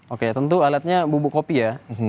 oke tentu alatnya bubuk kopi ya